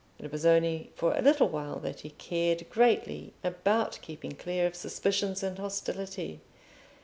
It was only for a little while that he cared greatly about keeping clear of suspicions and hostility.